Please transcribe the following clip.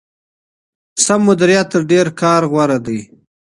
سم مديريت تر ډېر کار غوره دی.